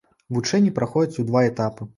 Вучэнні праходзяць у два этапы.